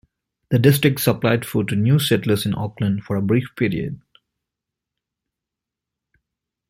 The district supplied food to new settlers in Auckland for a brief period.